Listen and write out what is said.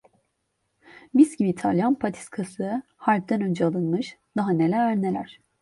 Mis gibi İtalyan patiskası. Harpten önce alınmış… Daha neler neler.